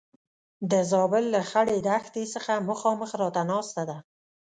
د زابل له خړې دښتې څخه مخامخ راته ناسته ده.